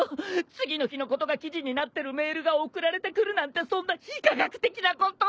次の日のことが記事になってるメールが送られてくるなんてそんな非科学的なこと！